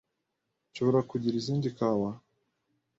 Nshobora kugira izindi kawa?